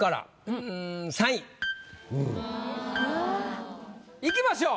うん３位。いきましょう。